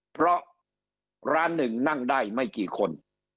เพราะร้านหนึ่งนั่งได้ไม่กี่คน